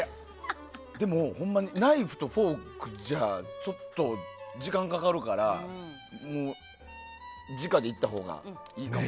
でも、ほんまにナイフとフォークじゃ、ちょっと時間がかかるから直でいったほうがいいかも。